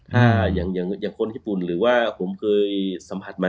ถ้าอย่างคนญี่ปุ่นหรือว่าผมเคยสัมผัสมา